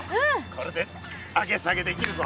これで上げ下げできるぞ。